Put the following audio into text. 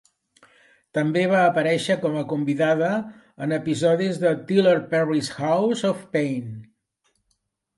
També va aparèixer com a convidada en episodis de Tyler Perry's House of Payne.